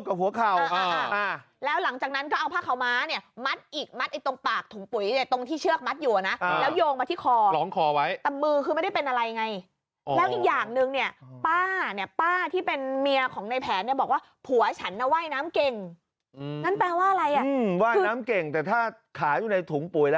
ขาต่อข้างอยู่ในถุงปุ๋ยแล้วมัดตรงหัวเข่าตรงปากถุงปุ๋ยอ่ะ